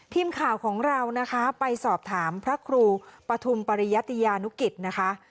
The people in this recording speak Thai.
ทีมข่าวของเรานะคะไปสอบถามพระครูปฐุมปริยติยานุกิจนะคะ